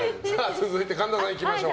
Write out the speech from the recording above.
続いて神田さんいきましょう。